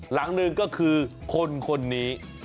หลังหนึ่งก็คือคนนี้